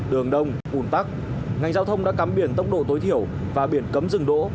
đường đông ủn tắc ngành giao thông đã cắm biển tốc độ tối thiểu và biển cấm rừng đỗ